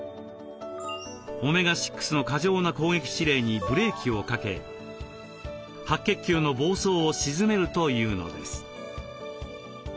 オメガ６の過剰な攻撃指令にブレーキをかけ白血球の暴走を鎮めるというのです。